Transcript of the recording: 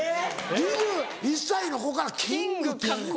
２１歳の子からキングって言われて。